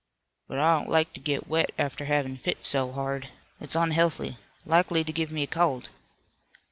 "But I don't like to get wet after havin' fit so hard. It's unhealthy, likely to give me a cold."